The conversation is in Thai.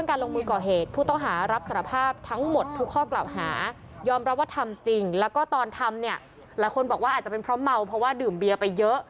คุณบอกว่าอาจเป็นเพราะเมาเพราะว่าดื่มเบียไปเยอะ